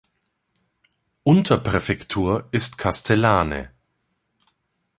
Unterpräfektur ist Castellane.